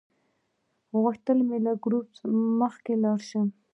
غوښتل مې له ګروپ مخکې لاړ شم.